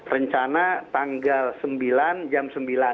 rencana tanggal sembilan jam sembilan